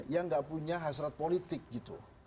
yang nggak punya hasrat politik gitu